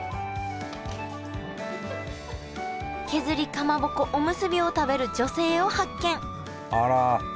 削りかまぼこおむすびを食べる女性を発見あら！